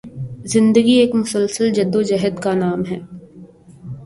زندگی ایک مسلسل جدوجہد کا نام ہے